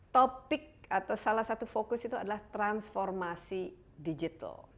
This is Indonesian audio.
topik atau salah satu fokus itu adalah transformasi digital